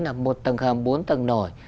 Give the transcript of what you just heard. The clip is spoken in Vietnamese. là một tầng hầm bốn tầng nổi